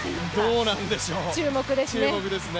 注目ですね。